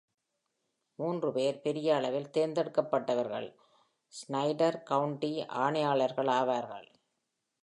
மூன்று பேர், பெரிய அளவில் தேர்ந்தெடுக்கப்பட்டவர்கள், ஸ்னைடர் கவுண்டி ஆணையர்கள் ஆவார்கள்.